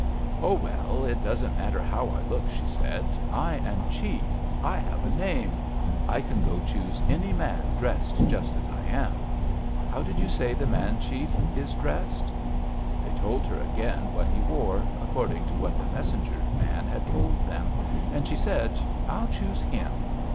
'Oh, well, it doesn't matter how I look,' she said. 'I am chief; I have a name; I can go choose my man dressed just as I am. How did you say the man chief is dressed?' "They told her again what he wore, according to what the messenger man had told them, and she said: 'I'll choose him.